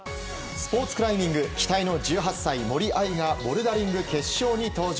スポーツクライミング期待の１８歳、森秋彩がボルダリング決勝に登場。